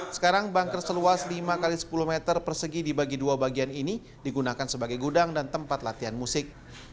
sekarang banker seluas lima x sepuluh meter persegi dibagi dua bagian ini digunakan sebagai gudang dan tempat latihan musik